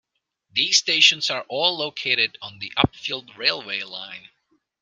These stations are all located on the Upfield railway line.